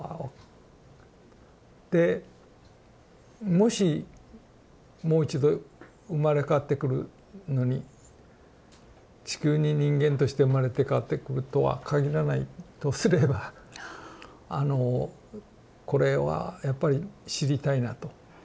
でもしもう一度生まれ変わってくるのに地球に人間として生まれ変わってくるとは限らないとすればあのこれはやっぱり知りたいなと。